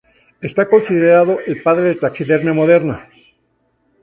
Está considerado el padre de taxidermia moderna.